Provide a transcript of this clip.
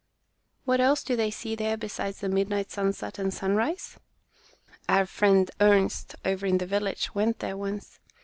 "What else do they see there besides the midnight sunset and sunrise?" "Our friend Ernst, over in the village, went there once.